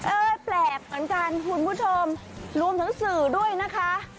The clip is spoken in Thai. แปลกเหมือนกันคุณผู้ชมรวมถึงสื่อด้วยนะคะ